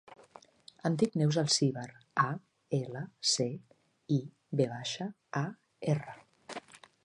Em dic Neus Alcivar: a, ela, ce, i, ve baixa, a, erra.